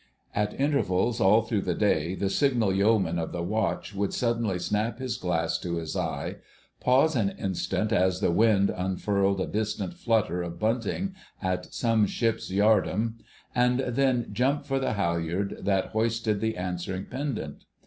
At intervals all through the day the Signal Yeoman of the Watch would suddenly snap his glass to his eye, pause an instant as the wind unfurled a distant flutter of bunting at some ship's yard arm, and then jump for the halyard that hoisted the answering pendant.